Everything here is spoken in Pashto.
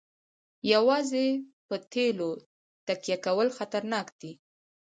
یوازې په تیلو تکیه کول خطرناک دي.